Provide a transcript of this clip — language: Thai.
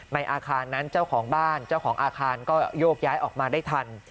ในอาคารนั้นเจ้าของบ้านเจ้าของอาคารก็โยกย้ายออกมาได้ทัน